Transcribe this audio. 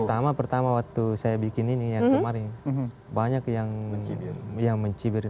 pertama pertama waktu saya bikin ini yang kemarin banyak yang yang mencibir